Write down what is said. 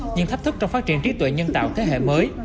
những thách thức trong phát triển trí tuệ nhân tạo thế hệ mới